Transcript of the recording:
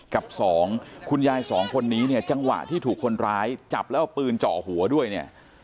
กับสองคุณยายสองคนนี้เนี่ยจังหวะที่ถูกคนร้ายจับแล้วเอาปืนเจาะหัวด้วยเนี่ย